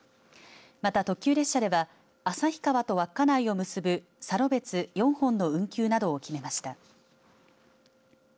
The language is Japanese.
また特急列車では旭川と稚内を結ぶサロベツ４本の運休などを決めました。